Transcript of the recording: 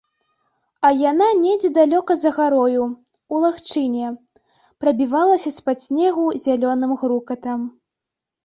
А яна недзе далёка за гарою, у лагчыне, прабівалася з-пад снегу зялёным грукатам.